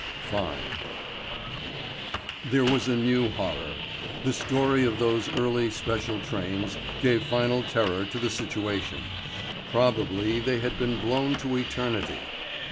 V. There was a new horror. The story of those early special trains gave the final terror to the situation. Probably they had been blown to eternity.